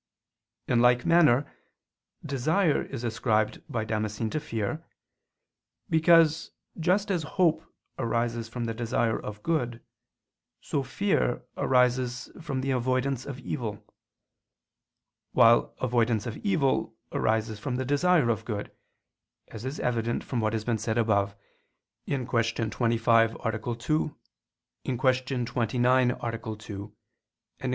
In like manner desire is ascribed by Damascene to fear, because just as hope arises from the desire of good, so fear arises from avoidance of evil; while avoidance of evil arises from the desire of good, as is evident from what has been said above (Q. 25, A. 2; Q. 29, A. 2; Q. 36, A. 2). ________________________ THIRD ARTICLE [I II, Q.